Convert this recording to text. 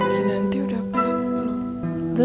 ini nanti udah pulang belum